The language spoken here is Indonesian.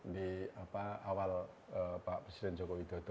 di awal pak presiden joko widodo